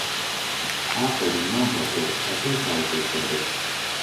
ئافەریم مام بابەکر، ئەتۆی تایفەی سەکر